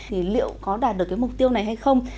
thì liệu có đạt được cái mục tiêu này hay không